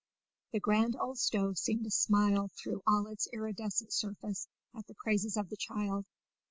The grand old stove seemed to smile through all its iridescent surface at the praises of the child.